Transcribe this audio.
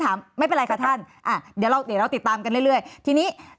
ผมไม่ได้แยกไว้ในมือเลยท่าน